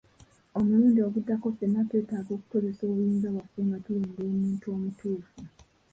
Omulundi oguddako ffenna twetaaga okukozesa obuyinza bwaffe nga tulonda omuntu omutuufu.